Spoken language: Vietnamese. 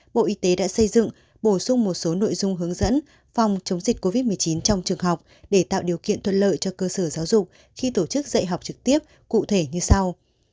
bộ y tế đã xây dựng bổ sung một số nội dung hướng dẫn phòng chống dịch covid một mươi chín trong trường học để tạo điều kiện thuận lợi cho cơ sở giáo dục khi tổ chức dạy học trực tiếp cụ thể như sau